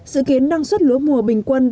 sự kiến năng suất lúa mùa bình thường